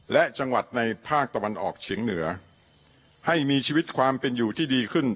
และจังหวัดในภาคตะวันออกเฉียงเหนือให้มีชีวิตความเป็นอยู่ที่ดีขึ้น